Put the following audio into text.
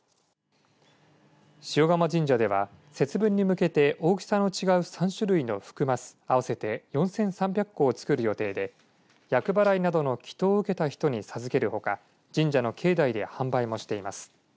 塩釜神社では節分に向けて大きさの違う３種類の福升合わせて４３００個を作る予定で厄払いなどの祈とうを受けた人に授けるほか神社の境内で販売もしています。